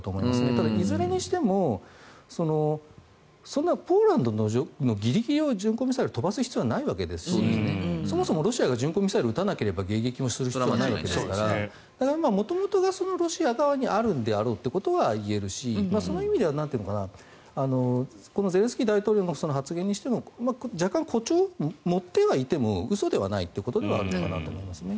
ただ、いずれにしてもポーランドのギリギリを巡航ミサイルを飛ばす必要はないわけですしそもそもロシアが巡航ミサイルを撃たなければ迎撃をする必要がないわけですからだから元々がロシア側にあるんであろうということは言えるしその意味ではゼレンスキー大統領の発言にしても若干誇張、盛ってはいても嘘ではないということではあるかなと思いますね。